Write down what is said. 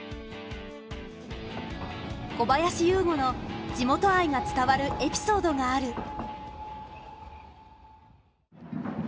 小林有吾の地元愛が伝わるエピソードがある。